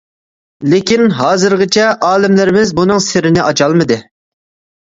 لېكىن ھازىرغىچە ئالىملىرىمىز بۇنىڭ سىرىنى ئاچالمىدى.